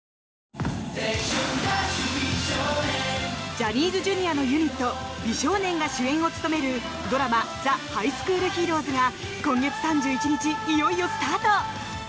ジャニーズＪｒ．のユニット美少年が主演を務めるドラマ「ザ・ハイスクールヒーローズ」が今月３１日、いよいよスタート！